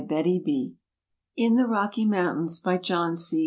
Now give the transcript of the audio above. AMERICA In the Rocky Mountains By JOHN C.